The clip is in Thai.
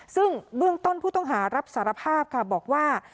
ซึ่งเบื้องต้นผู้ต้องหารับสารภาพค่ะบอกว่า